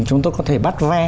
chúng tôi có thể bắt ve